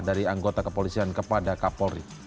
dari anggota kepolisian kepada kapolri